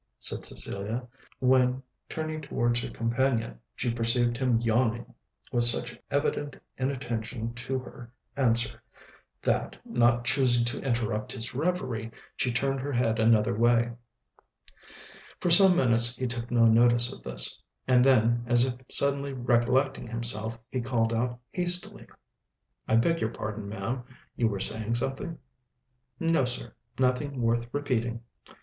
said Cecilia, when, turning towards her companion, she perceived him yawning, with such evident inattention to her answer that, not choosing to interrupt his reverie, she turned her head another way. For some minutes he took no notice of this; and then, as if suddenly recollecting himself, he called out hastily, "I beg your pardon, ma'am, you were saying something?" "No, sir; nothing worth repeating."